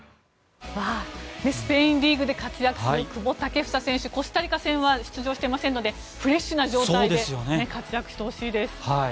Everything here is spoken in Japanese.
スペインリーグで活躍する久保建英選手、コスタリカ戦は出場していませんのでフレッシュな状態で活躍してほしいです。